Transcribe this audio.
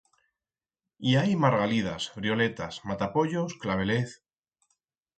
I hai margalidas, vrioletas, matapollos, clavelez...